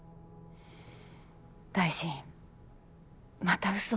大臣またうそを。